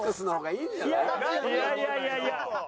いやいやいやいやいや。